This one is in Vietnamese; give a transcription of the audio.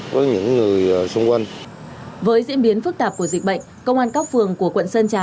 với diễn biến phức tạp của dịch bệnh công an các phường của quận sơn trà